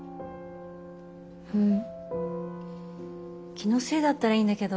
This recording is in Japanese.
気のせいだったらいいんだけど。